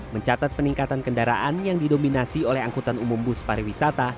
mencatat peningkatan kendaraan yang didominasi oleh angkutan umum bus pariwisata